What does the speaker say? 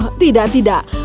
oh tidak tidak